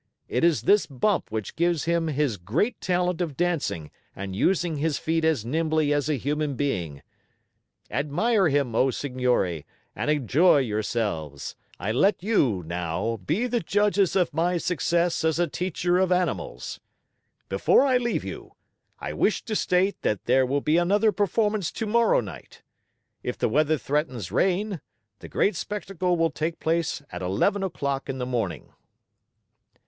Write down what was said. It is this bump which gives him his great talent of dancing and using his feet as nimbly as a human being. Admire him, O signori, and enjoy yourselves. I let you, now, be the judges of my success as a teacher of animals. Before I leave you, I wish to state that there will be another performance tomorrow night. If the weather threatens rain, the great spectacle will take place at eleven o'clock in the morning."